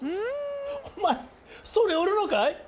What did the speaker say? お前それ売るのかい？